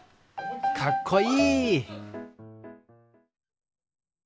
かっこいい！